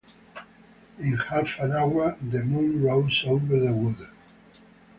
In half an hour the moon rose over the wood.